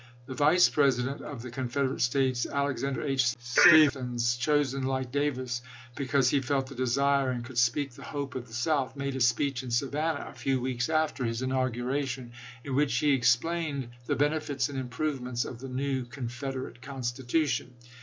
The Vice President of the Confederate States, Alexander H. Stephens, chosen, like Davis, because he felt the desire and could speak the hope of the South, made a speech in Savannah a few weeks after his inauguration, in which he explained the benefits and improvements of the new "Confed erate " constitution.